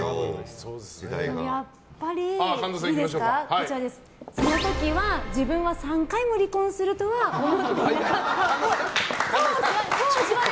やっぱりその時は自分は３回も離婚するとは思ってなかったっぽい。